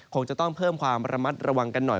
คงจะต้องเพิ่มความระมัดระวังกันหน่อย